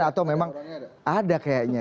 atau memang ada kayaknya